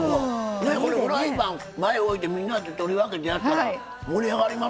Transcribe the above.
これフライパン前置いてみんなで取り分けてやったら盛り上がりますよこれ。